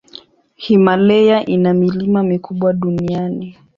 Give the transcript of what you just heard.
Himalaya ina milima mikubwa duniani.